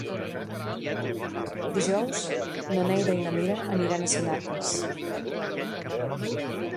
Dijous na Neida i na Mira aniran a Sinarques.